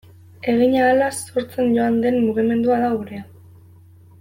Egin ahala sortzen joan den mugimendua da gurea.